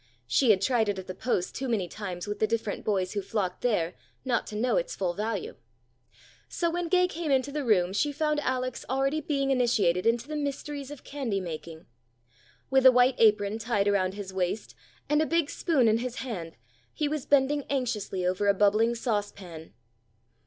She had tried it at the Post too many times with the different boys who flocked there, not to know its full value. So when Gay came into the room she found Alex already being initiated into the mysteries of candy making. With a white apron tied around his waist, and a big spoon in his hand, he was bending anxiously over a bubbling sauce pan.